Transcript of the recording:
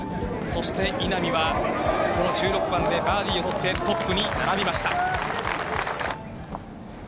そして稲見は、この１６番でバーディー取って、トップに並びました。